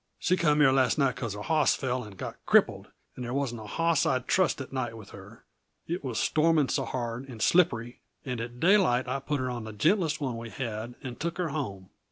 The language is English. She come here last night because her hoss fell and got crippled, and there wasn't a hoss I'd trust at night with her, it was storming so hard, and slippery and at daylight I put her on the gentlest one we had, and took her home.